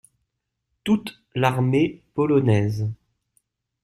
Toute l’Armée polonaise.